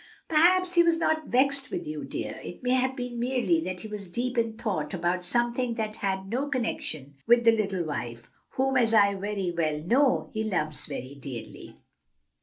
"Perhaps he was not vexed with you, dear; it may have been merely that he was deep in thought about something that had no connection with the little wife, whom, as I very well know, he loves very dearly."